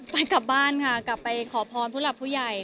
กลับบ้านค่ะกลับไปขอพรผู้หลักผู้ใหญ่